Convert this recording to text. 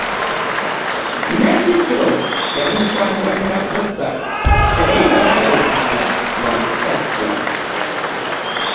Nakitto yali mukwano gwa Nabbosa naye bayawukana lwa musajja.